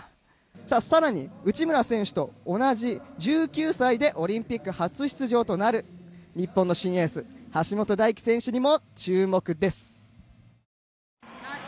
更に、内村選手と同じ１９歳でオリンピック初出場となる日本の新エース橋本大輝選手にも注目です。